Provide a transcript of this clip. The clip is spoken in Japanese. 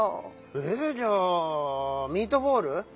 ええ⁉じゃあミートボール？